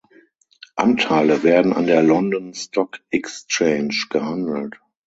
Anteile werden an der London Stock Exchange gehandelt.